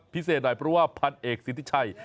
พิเศษหน่อยเพราะว่าพันเอกสิทธิชัย